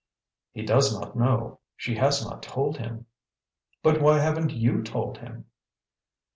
"He does not know. She has not told him." "But why haven't you told him?"